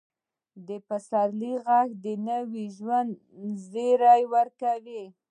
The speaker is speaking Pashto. د پسرلي ږغ د نوي ژوند زیری ورکوي.